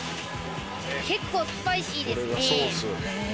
結構スパイシーですね。